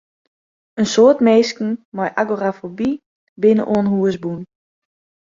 In soad minsken mei agorafoby binne oan hûs bûn.